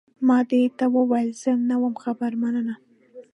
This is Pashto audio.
ما دې ته وویل، زه نه وم خبر، مننه.